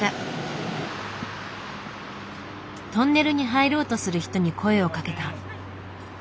トンネルに入ろうとする人に声をかけた。